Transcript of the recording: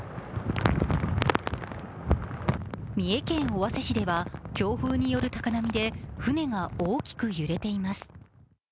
三重県尾鷲市では、強風による高波で船が大きく揺れています。